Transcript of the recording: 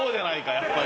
やっぱり。